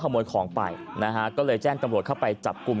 เขาต้องขโมช์ของไปนะฮะก็เลยแจ้งตำรถเข้าไปจับกลุ่ม